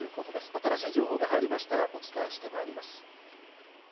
新しい情報が入りましたら、お伝えしてまいります。